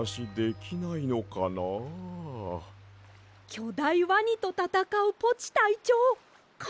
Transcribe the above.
きょだいワニとたたかうポチたいちょうです。